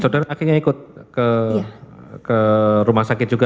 saudara akhirnya ikut ke rumah sakit juga